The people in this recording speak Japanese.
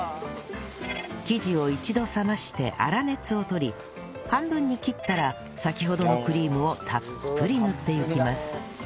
生地を一度冷まして粗熱をとり半分に切ったら先ほどのクリームをたっぷり塗っていきます